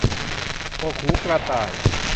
หมวกหูกระต่าย